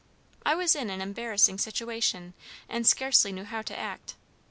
I was in an embarrassing situation, and scarcely knew how to act.